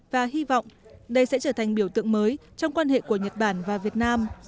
và hy vọng đây sẽ trở thành biểu tượng mới trong quan hệ của nhật bản và việt nam